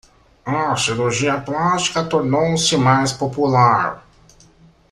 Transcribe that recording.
A cirurgia plástica tornou-se mais popular.